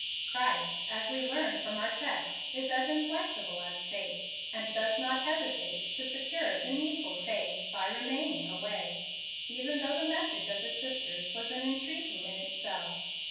Christ, as we learn from our text, is as inflexible as fate, and does not hesitate to secure the needful faith by remaining away, even though the message of the sisters was an entreaty in itself.